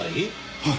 はい。